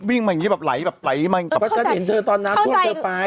วิ่งมาอย่างงี้แบบไหลแบบไหลฟะก็เห็นเธอตอนน้ำท่วมที่เธอปลาย